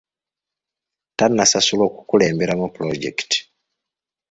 Tannasasulwa okukulemberamu pulojekiti .